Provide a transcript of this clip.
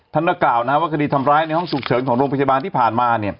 ท่านก็กล่าวว่าคดีทำร้ายในห้องฉุกเฉินของโรงพยาบาลที่ผ่านมา